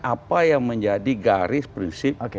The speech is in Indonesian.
apa yang menjadi garis prinsip